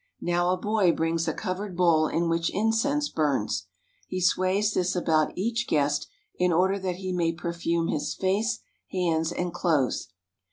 Now a boy brings a covered bowl in which incense burns. He sways this about each guest in order that he may perfume his face, hands, and clothes.